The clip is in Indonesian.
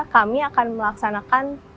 kami akan melaksanakan